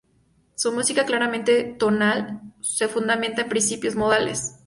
Su música, claramente tonal, se fundamenta en principios modales.